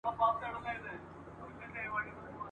په کتاب کي چي مي هره شپه لوستله ..